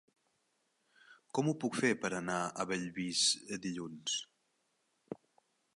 Com ho puc fer per anar a Bellvís dilluns?